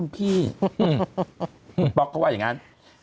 ป๊อกก็ว่าอย่างนั้น